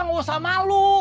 nggak usah malu